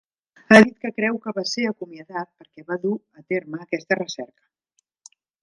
Ha dit que creu que va ser acomiadat perquè va dur a terme aquesta recerca.